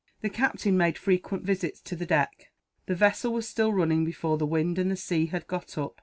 The captain made frequent visits to the deck. The vessel was still running before the wind, and the sea had got up.